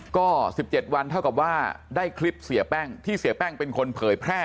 ก็๑๗วันเท่ากับว่าได้คลิปเสียแป้งที่เสียแป้งเป็นคนเผยแพร่